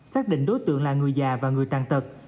xác định đối tượng là người già và người tàn tật